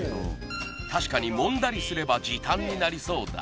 確かにもんだりすれば時短になりそうだ